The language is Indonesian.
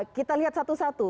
kita lihat satu satu